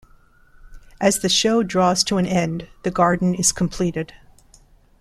As the show draws to an end the garden is completed.